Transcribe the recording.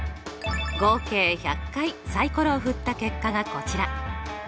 合計１００回サイコロを振った結果がこちら。